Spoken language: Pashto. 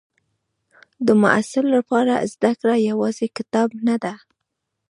د محصل لپاره زده کړه یوازې کتاب نه ده.